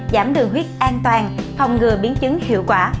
giảm đường huyết an toàn phòng ngừa biến chứng hiệu quả